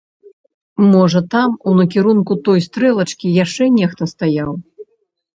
Можа там, у накірунку той стрэлачкі, яшчэ нехта стаяў?